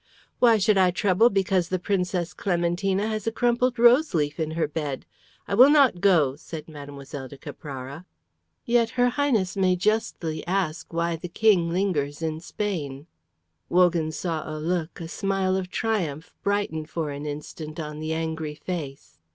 "Why should I trouble because the Princess Clementina has a crumpled rose leaf in her bed? I will not go," said Mlle. de Caprara. "Yet her Highness may justly ask why the King lingers in Spain." Wogan saw a look, a smile of triumph, brighten for an instant on the angry face.